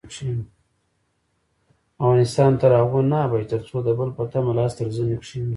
افغانستان تر هغو نه ابادیږي، ترڅو د بل په تمه لاس تر زنې کښينو.